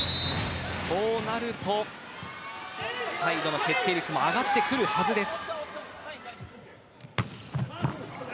そうなると決定率も上がってくるはずです。